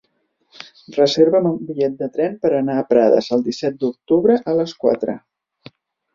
Reserva'm un bitllet de tren per anar a Prades el disset d'octubre a les quatre.